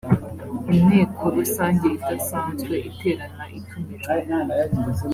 inteko rusange idasanzwe iterana itumijwe